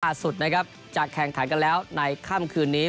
สุดนะครับจะแข่งขันกันแล้วในค่ำคืนนี้